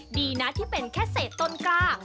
ดีนะที่เป็นแค่เศษต้นกล้า